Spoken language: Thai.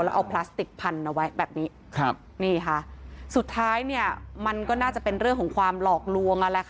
และเอาพลาสติกพันธุ์เอาไว้แบบนี้สุดท้ายมันก็น่าจะเป็นเรื่องของความหลอกลวง